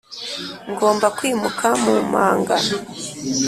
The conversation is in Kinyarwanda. ngomba kwimuka mu manga.